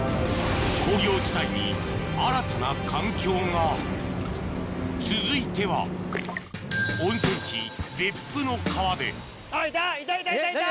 工業地帯に新たな環境が続いては温泉地別府の川であっいた！